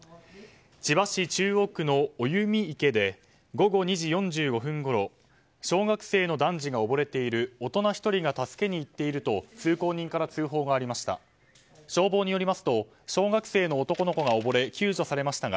千葉市中央区のおゆみ池で午後２時４５分ごろ小学生の男児が溺れている大人１人が助けに行っていると通行人から通報がありました。